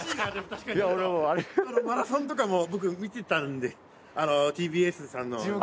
マラソンとかも僕見てたんでＴＢＳさんの。